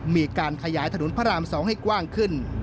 มีการขยายถนนพระราม๒ให้กว้างขึ้น